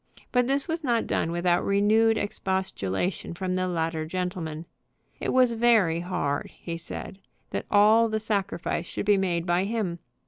But this was not done without renewed expostulation from the latter gentleman. It was very hard, he said, that all the sacrifice should be made by him.